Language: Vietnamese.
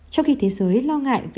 trong khi thế giới lo ngại